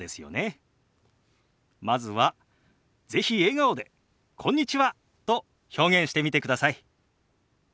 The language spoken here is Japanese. まずは是非笑顔で「こんにちは」と表現してみてください。